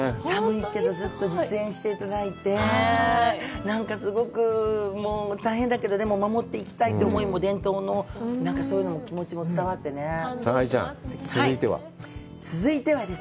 寒いけど、ずっと実演していただいて、なんかすごく、大変だけど、でも、守っていきたいという思いも、伝統のそういう気持ちも伝わってね。